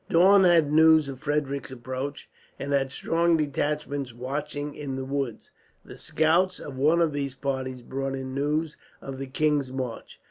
Daun had news of Frederick's approach, and had strong detachments watching in the woods. The scouts of one of these parties brought in news of the king's march.